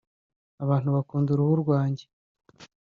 abantu bakunda uruhu rwanjye